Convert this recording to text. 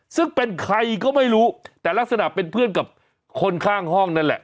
ซึ่งเป็นใครก็ไม่รู้แต่ลักษณะเป็นเพื่อนกับคนข้างห้องนั่นแหละ